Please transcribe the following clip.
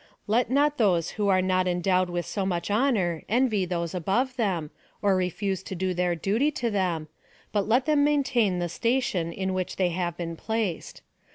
Let not those who are not endowed with so much honour, envy those above them, or refuse to do their duty to them, but let them maintain the station in which they have been placed.